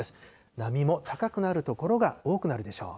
波も高くなる所が多くなるでしょう。